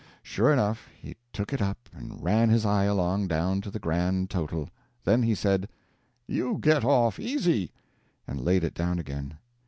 Sure enough, he took it up and ran his eye along down to the grand total. Then he said, "You get off easy," and laid it down again.